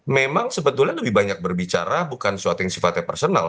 memang sebetulnya lebih banyak berbicara bukan sesuatu yang sifatnya personal